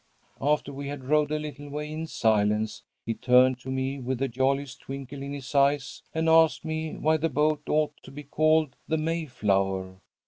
"After we had rowed a little way in silence he turned to me with the jolliest twinkle in his eyes and asked me why the boat ought to be called the Mayflower.